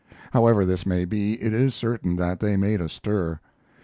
However this may be, it is certain that they made a stir.